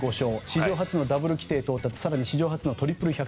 史上初のダブル規定到達そして史上初のトリプル１５０。